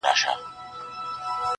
یو که بل وي نو څلور یې پښتانه وي,